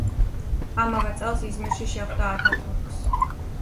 ამავე წელს იზმირში შეხვდა ათათურქს.